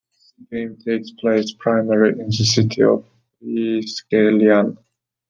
The game takes place primarily in the city of Triskellian.